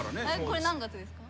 これ何月ですか？